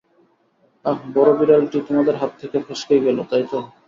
আহ, বড় বিড়ালটি তোমাদের হাত থেকে ফসকেই গেল, তাই তো?